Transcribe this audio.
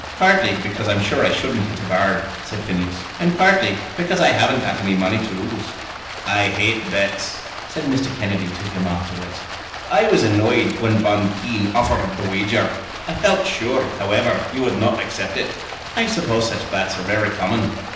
"Partly because I'm sure I shouldn't hit a bird," said Phineas, "and partly because I haven't got any money to lose." "I hate bets," said Mr. Kennedy to him afterwards. "I was annoyed when Bonteen offered the wager. I felt sure, however, you would not accept it." "I suppose such bets are very common."